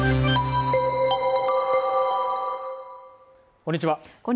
こんにちは。